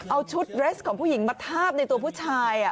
เอาชุดเรสของผู้หญิงมาทาบในตัวผู้ชาย